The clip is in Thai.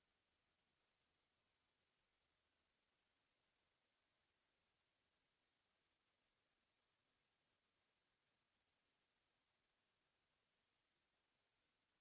โปรดติดตามต่อไป